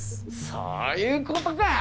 そういうことか！